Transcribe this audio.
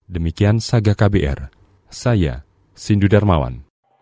demikian saga kbr saya sindu darmawan